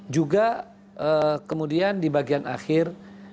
juga kemudian di bagian akhir